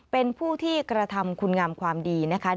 เป็นผู้ที่กระทำคุ้นงามความดี